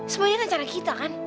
sebenarnya kan cerita kita kan